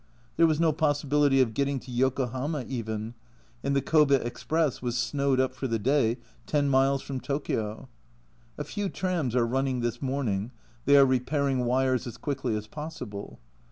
There was no possibility of getting to Yokohama even, and the Kobe express was snowed up for the day 10 miles from Tokio. A few trams are running this morning they are repairing wires as quickly as possible.